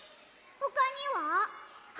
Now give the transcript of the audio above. ほかには？